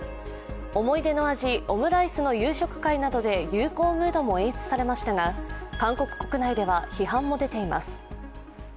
思い出の味、オムライスの夕食会などで友好ムードも演出されましたが韓国国内では批判も出ています。